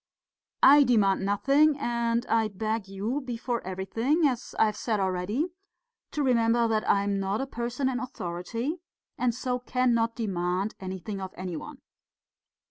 "I demand nothing, and I beg you, before everything as I have said already to remember that I am not a person in authority and so cannot demand anything of any one.